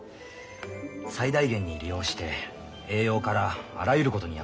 最大限に利用して栄養からあらゆることに役立ててくれ。